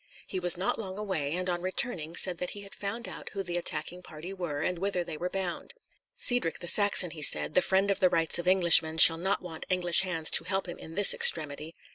He was not long away, and on returning said that he had found out who the attacking party were and whither they were bound. "Cedric the Saxon," he said, "the friend of the rights of Englishmen, shall not want English hands to help him in this extremity.